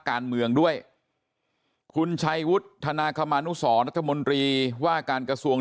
การเมืองด้วยคุณชัยวุฒิธนาคมานุสรรัฐมนตรีว่าการกระทรวง